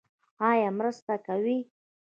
ایا مرسته کوئ؟